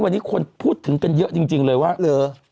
วันนี้คนพูดถึงกันเยอะจริงเลยว่า